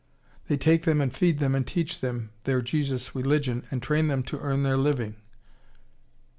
They take them and feed them and teach them their Jesus religion and train them to earn their living."